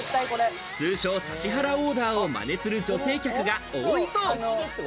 通称、指原オーダーをまねする女性客が多いそう。